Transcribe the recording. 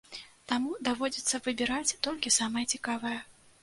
Таму даводзіцца выбіраць толькі самае цікавае.